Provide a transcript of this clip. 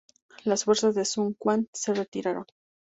Las fuerzas de Sun Quan se retiraron.